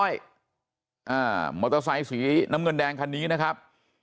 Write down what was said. มอเตอร์ไซค์สีน้ำเงินแดงคันนี้นะครับ